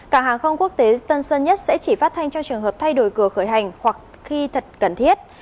cả hàng không quốc tế tân sân nhất sẽ chỉ phát thanh trong trường hợp thay đổi cửa khởi hành hoặc khi thật cần thiết